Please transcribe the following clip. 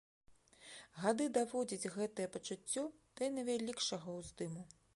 Гады даводзяць гэтае пачуццё да найвялікшага ўздыму.